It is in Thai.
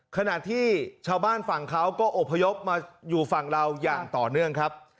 ขณะที่ชาวบ้านฝั่งเขาก็อบพยพมาอยู่ฝั่งเราอย่างต่อเนื่องครับ